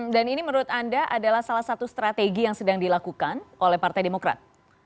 dan ini menurut anda adalah salah satu strategi yang sedang dilakukan oleh partai demokrat